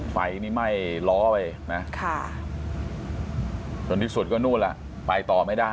ไฟนี่ไหม้ล้อไปนะจนที่สุดก็นู่นล่ะไปต่อไม่ได้